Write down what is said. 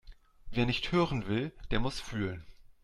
Wer nicht hören will, der muss fühlen.